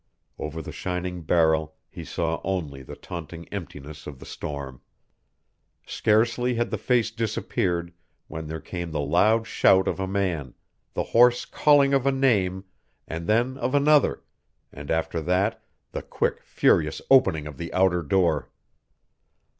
Over the shining barrel he saw only the taunting emptiness of the storm. Scarcely had the face disappeared when there came the loud shout of a man, the hoarse calling of a name, and then of another, and after that the quick, furious opening of the outer door.